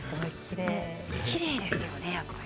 きれいですよね。